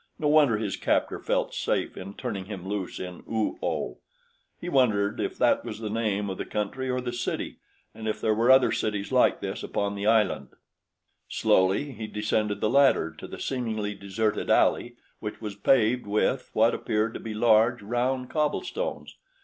No wonder his captor felt safe in turning him loose in Oo oh he wondered if that was the name of the country or the city and if there were other cities like this upon the island. Slowly he descended the ladder to the seemingly deserted alley which was paved with what appeared to be large, round cobblestones.